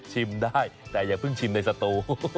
ได้แต่อย่าเพิ่งชิมในสตู